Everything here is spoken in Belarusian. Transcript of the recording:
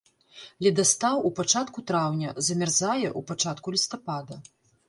Ледастаў у пачатку траўня, замярзае ў пачатку лістапада.